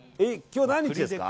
今日、何日ですか。